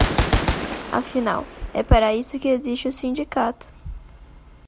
Afinal, é para isso que existe o sindicato.